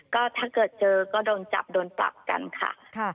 ก็ถ้าเกิดเจอก็โดนจับโดนปรับกันค่ะ